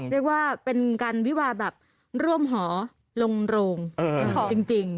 เรียกว่าเป็นการวิวาแบบร่วมหอลงโรงจริง